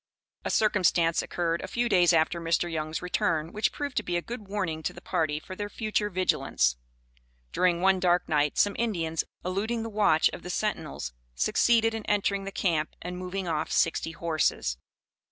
A circumstance occurred a few days after Mr. Young's return, which proved to be a good warning to the party for their future vigilance. During one dark night, some Indians, eluding the watch of the sentinels, succeeded in entering the camp and moving off sixty horses.